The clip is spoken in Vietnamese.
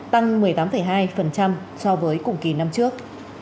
tăng một mươi tám hai so với cùng kỳ năm trước